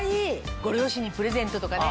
ご両親にプレゼントとかね。